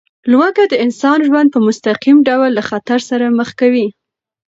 لوږه د انسان ژوند په مستقیم ډول له خطر سره مخ کوي.